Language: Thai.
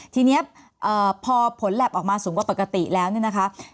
ทีนี้พอผลแล็บออกมาสูงกว่าปกติแล้วเนี่ยนะคะ